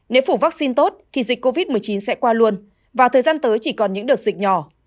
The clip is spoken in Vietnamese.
nếu phủ vaccine tốt thì dịch covid một mươi chín sẽ qua luôn và thời gian tới chỉ còn những đợt dịch nhỏ